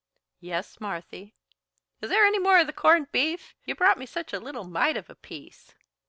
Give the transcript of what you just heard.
"Yes, Marthy." "Is there any more of the corned beef? You brought me such a little mite of a piece."